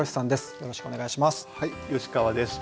よろしくお願いします。